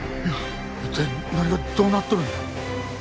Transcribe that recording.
一体何がどうなっとるんや？